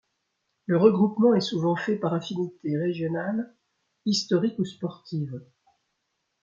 Le regroupement est souvent fait par affinité régionale, historique ou sportive.